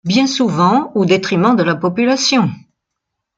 Bien souvent au détriment de la population.